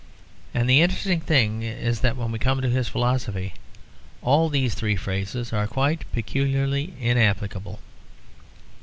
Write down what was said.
And the interesting thing is that when we come to his philosophy, all these three phrases are quite peculiarly inapplicable.